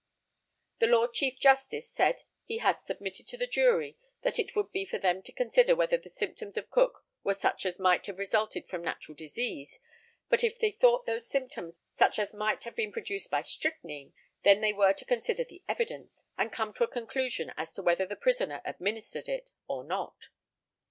The Lord Chief Justice said he had submitted to the jury that it would be for them to consider whether the symptoms of Cook were such as might have resulted from natural disease; but if they thought those symptoms such as might have been produced by strychnine, then they were to consider the evidence, and come to a conclusion as to whether the prisoner administered it or not.